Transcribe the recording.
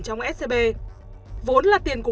trong scb vốn là tiền của